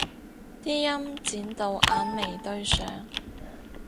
啲陰剪到眼眉對上